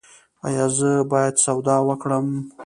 ایا زه باید سودا وکړم؟